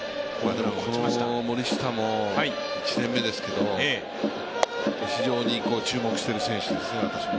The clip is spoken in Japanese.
この森下も１年目ですけれども非常に注目している選手ですね、私も。